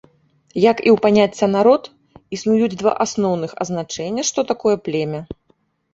Як і ў паняцця народ, існуюць два асноўных азначэння, што такое племя.